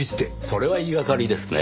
それは言い掛かりですね。